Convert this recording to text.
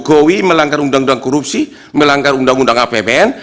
jokowi melanggar undang undang korupsi melanggar undang undang apbn